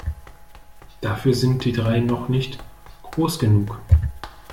Dafür sind die drei noch nicht groß genug.